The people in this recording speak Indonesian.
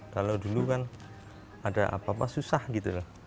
kalau dulu kan ada apa apa susah gitu loh